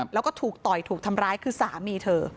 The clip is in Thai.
แล้วก็ถูกต่อยถูกทำร้ายคือสามีเธอ